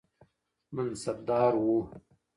منصبدار و